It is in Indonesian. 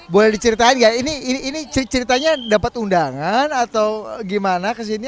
boleh diceritain nggak ini ceritanya dapat undangan atau gimana kesini